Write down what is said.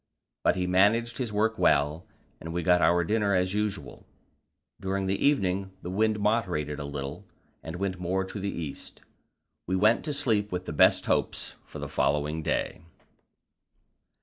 But he managed his work well, and we got our dinner as usual. During the evening the wind moderated a little, and went more to the east; we went to sleep with the best hopes for the following day.